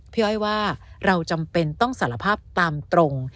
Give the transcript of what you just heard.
พี่อ้อยว่าเราจำเป็นต้องสารภาพตามตรง